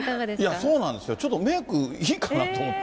そうなんですよ、ちょっとメークいいかなと思って。